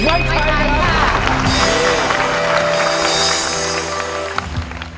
ไม่ใช่ครับ